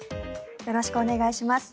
よろしくお願いします。